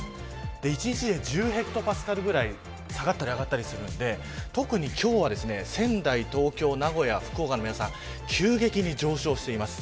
１日で１０ヘクトパスカルくらい下がったり上がったりするので特に今日は仙台、東京、名古屋福岡の皆さん急激に上昇しています。